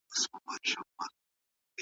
خلګو ته د خبرو کولو اجازه نه ورکول کيده.